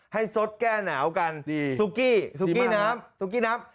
สดแก้หนาวกันดีซุกี้ซุกี้น้ำซุกี้น้ำ